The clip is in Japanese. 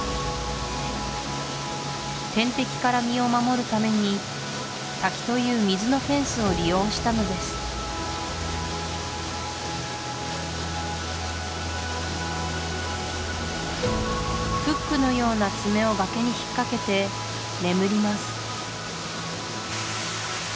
天敵から身を守るために滝という水のフェンスを利用したのですフックのような爪を崖に引っかけて眠ります